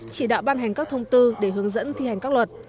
chỉ đạo ban hành các thông tư để hướng dẫn thi hành các luật